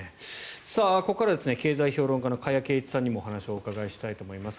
ここからは経済評論家の加谷珪一さんにもお話をお伺いしたいと思います。